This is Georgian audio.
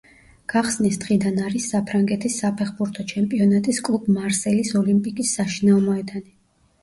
გახსნის დღიდან არის საფრანგეთის საფეხბურთო ჩემპიონატის კლუბ მარსელის ოლიმპიკის საშინაო მოედანი.